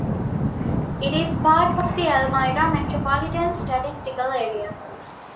It is part of the Elmira Metropolitan Statistical Area.